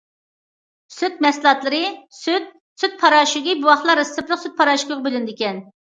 سۈت مەھسۇلاتلىرى سۈت، سۈت پاراشوكى، بوۋاقلار رېتسېپلىق سۈت پاراشوكىغا بۆلۈنىدىكەن.